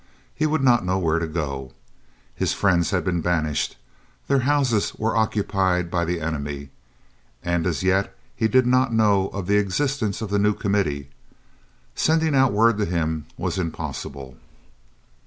He would not know where to go. His friends had been banished, their houses were occupied by the enemy, and as yet he did not know of the existence of the new Committee. Sending out word to him was impossible.